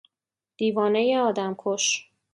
دیوانهی آدمکش